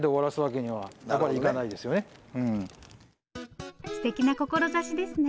すてきな志ですね。